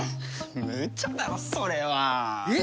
むちゃだろそれは。えっ？